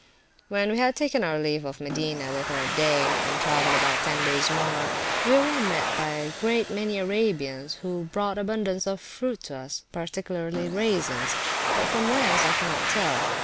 [p.388] When we had taken our leave of Medina, the third day, and travelled about ten days more, we were met by a great many Arabians, who brought abundance of fruit to us, particularly raisins; but from whence I cannot tell.